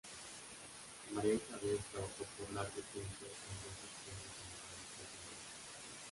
Maria Isabel trabajó por largo tiempo en dos secciones en la Revista Semana.